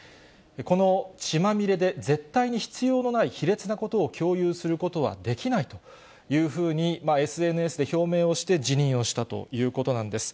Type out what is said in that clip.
この血まみれで、絶対に必要のない卑劣なことを共有することはできないというふうに、ＳＮＳで表明をして、辞任をしたということなんです。